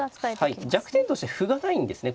はい弱点として歩がないんですね